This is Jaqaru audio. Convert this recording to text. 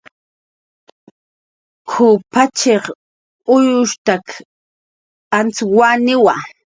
"K""uw pachiq uyustak antz waniwa"